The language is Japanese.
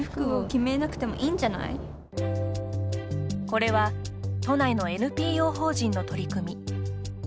これは、都内のＮＰＯ法人の取り組み。